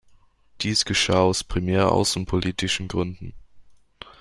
Dies geschah aus primär außenpolitischen Gründen.